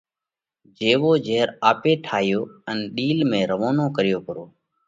جيوو جھير آپ ٺايو ان ڏِيل ۾ روَونو ڪريو پرو۔